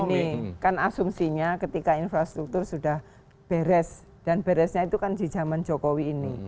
saya sih mau gini kan asumsinya ketika infrastruktur sudah beres dan beresnya itu kan di jaman jokowi ini